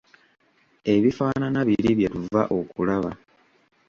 Ebifaanana biri bye tuva okulaba.